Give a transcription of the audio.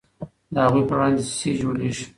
د هغوی پر وړاندې دسیسې جوړیږي.